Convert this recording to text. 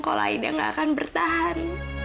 kalau aida gak akan bertahan